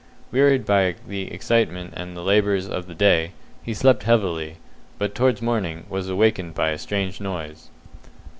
Wearied by excitement and the labours of the day, he slept heavily, but, towards morning, was awakened by a strange noise.